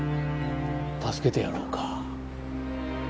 助けてやろうか？